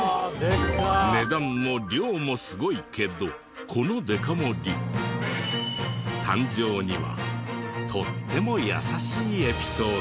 値段も量もすごいけどこのデカ盛り誕生にはとっても優しいエピソードが。